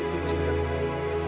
tunggu sebentar pak